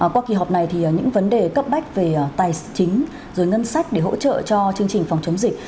qua kỳ họp này thì những vấn đề cấp bách về tài chính ngân sách để hỗ trợ cho chương trình phòng chống dịch